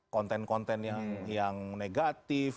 konten konten yang negatif